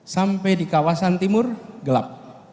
sampai di kawasan timur gelap